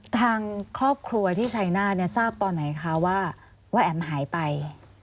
ทางครอบครัวที่ใช่หน้าแอ๋มที่ว่าพูดว่าแอ๋มหายไป